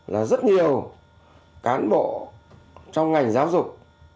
là rất nhiều cán bộ trong ngành giáo dục